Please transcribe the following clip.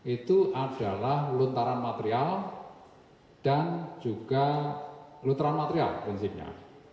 itu adalah luntaran material dan juga luntaran material krensipnya